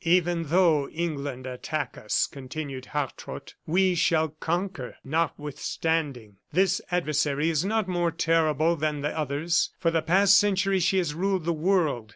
"Even though England attack us," continued Hartrott, "we shall conquer, notwithstanding. This adversary is not more terrible than the others. For the past century she has ruled the world.